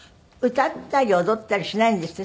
歌ったり踊ったりしないんですって？